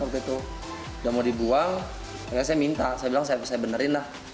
sudah mau dibuang udah saya minta sayaik hateku benerin lah